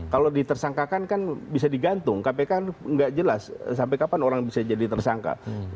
kalau ditersangkakan kan bisa digantung kpk nggak jelas sampai kapan orang bisa jadi tersangka